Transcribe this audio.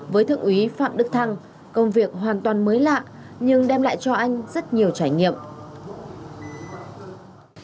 với thượng úy phạm đức thăng công việc hoàn toàn mới lạ nhưng đem lại cho anh rất nhiều trải nghiệm